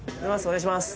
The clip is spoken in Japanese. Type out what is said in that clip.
お願いします